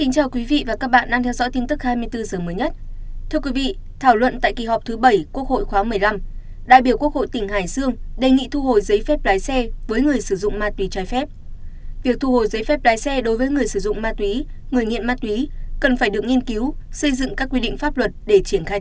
các bạn hãy đăng ký kênh để ủng hộ kênh của chúng mình nhé